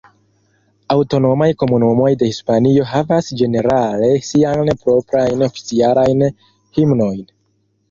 Aŭtonomaj komunumoj de Hispanio havas ĝenerale siajn proprajn oficialajn himnojn.